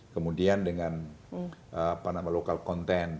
kemudian dengan apa nama lokal content